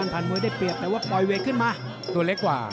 ตัวเล็กกว่า